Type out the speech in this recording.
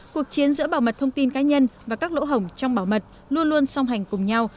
cuộc chiến giữa bảo mật thông tin cá nhân và các lỗ hổng trong bảo mật luôn luôn song hành cùng nhau